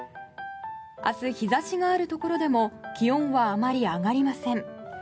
明日、日差しがあるところでも気温はあまり上がりません。